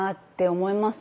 思います。